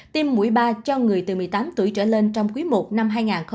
tiêm mũi ba cho người từ một mươi tám tuổi trở lên trong quý i năm hai nghìn hai mươi